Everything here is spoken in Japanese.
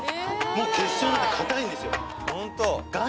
もう結晶になってかたいんですよ